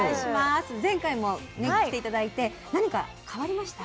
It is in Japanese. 前回も来て頂いて何か変わりました？